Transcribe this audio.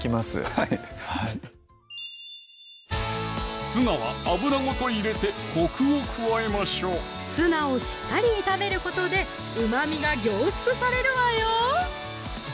はいツナは油ごと入れてコクを加えましょうツナをしっかり炒めることでうまみが凝縮されるわよ